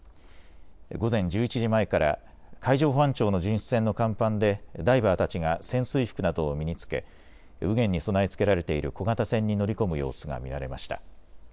午前１１時前から海上保安庁の巡視船の甲板でダイバーたちが潜水服などを身に着け右舷に備え付けられている小型船に乗り込む様子が見られました。